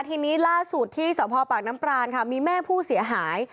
ทีนี้ล่าสุดที่สพปากน้ำปรานค่ะมีแม่ผู้เสียหาย